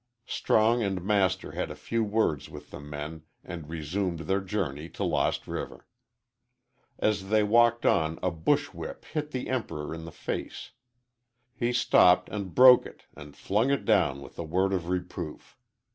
Strong and Master had a few words with the men and resumed their journey to Lost River. As they walked on a brush whip hit the Emperor in the face. He stopped and broke it and flung it down with a word of reproof.